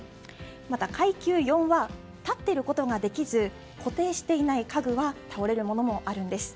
また、階級４は立っていることができず固定していない家具は倒れるものもあるんです。